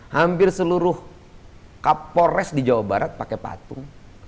hampir seluruh kapolres di jawa barat pakai patung